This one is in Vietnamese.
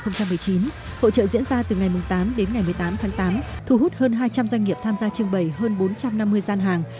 hỗ trợ diễn ra từ ngày tám đến ngày một mươi tám tháng tám thu hút hơn hai trăm linh doanh nghiệp tham gia trưng bày hơn bốn trăm năm mươi gian hàng